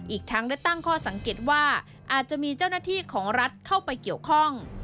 อีกทั้งได้ตั้งข้อสังเกตว่าอาจจะมีเจ้าหน้าที่ของรัฐเข้าไปเกี่ยวข้อง